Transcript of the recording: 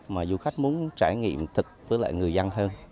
mà du khách muốn trải nghiệm thật với người dân hơn